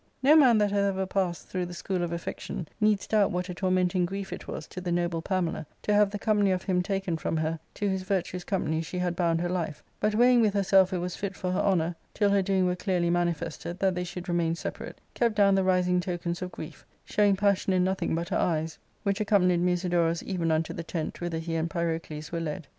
No man that hath ever passed through the school of affec tion needs doubt what a tormenting grief it was to the noble Pamela to have the company of him taken from her to whose virtuous company she had bound her life, but, weighing with herself it was fit for her honour, till her doing were clearly manifested, that they should remain separate^ kept down the rising tokens of grief, showing passion in nothing but her eyes, which accompanied Musidorus even unto the tent whither he and Pyrocles were led.